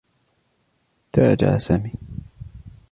تراجع سامي.